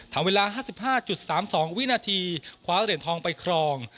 ทำเวลา๕๕๓๒วินาทีคว้าเหรียญทองไปครอง